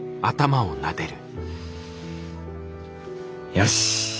よし！